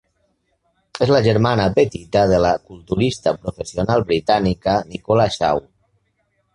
És la germana petita de la culturista professional britànica Nicola Shaw.